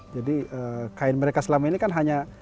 jadi kain mereka selama ini kan hanya